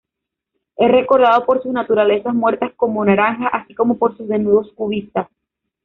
Es recordado por sus naturalezas muertas con naranjas así como por sus desnudos cubistas.